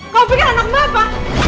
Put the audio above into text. kamu pikir anak mbak apa